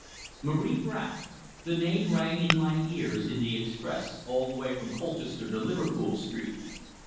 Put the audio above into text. Marie Bracq! The name rang in my ears in the express all the way from Colchester to Liverpool Street.